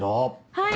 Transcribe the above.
はい！